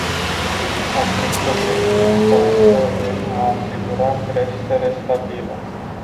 Acest obiectiv constă în a asigura creștere stabilă.